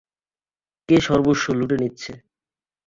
কে সর্বস্ব লুটে নিচ্ছে?